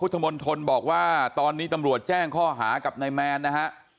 ภูมิกับการสพพุทธมนต์ธนบอกว่าตอนนี้ตำรวจแจ้งข้อหากับนายแมนนะฮะ